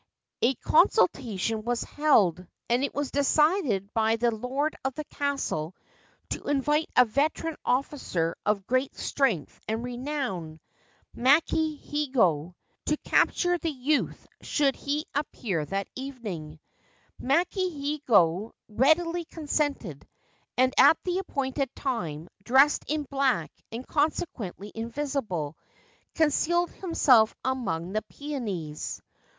A consultation was held, and it was decided by the lord of the castle to invite a veteran officer of great strength and renown, Maki Hiogo, to capture the youth 294 The Princess Peony should he appear that evening. Maki Hiogo readily consented, and at the appointed time, dressed in black and consequently invisible, concealed himself among the peonies.